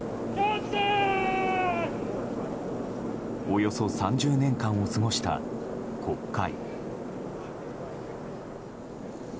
およそ３０年間を過ごした国会。